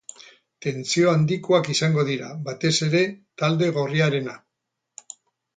Tentsio handikoak izango dira, batez ere talde gorriarena.